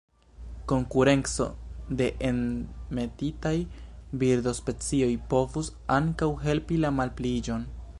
Konkurenco de enmetitaj birdospecioj povus ankaŭ helpi la malpliiĝon.